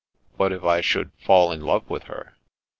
" What if I should fall in love with her?